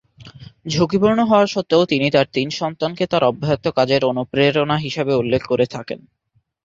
ঝুঁকিপূর্ণ হওয়া সত্ত্বেও তিনি তার তিন সন্তানকে তার অব্যাহত কাজের অনুপ্রেরণা হিসাবে উল্লেখ করে থাকেন।